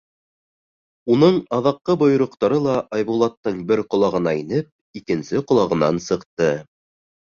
Уның аҙаҡҡы бойороҡтары ла Айбулаттың бер ҡолағына инеп, икенсе ҡолағынан сыҡты.